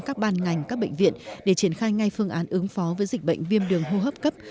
các ban ngành các bệnh viện để triển khai ngay phương án ứng phó với dịch bệnh viêm đường hô hấp cấp